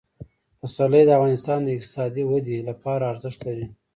پسرلی د افغانستان د اقتصادي ودې لپاره ارزښت لري.